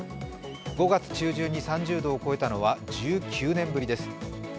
５月中旬に３０度を超えたのは１９年ぶりです。